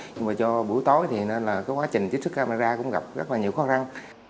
nhưng mà cho buổi tối thì nên là cái quá trình chích xuất camera cũng gặp rất là nhiều khó khăn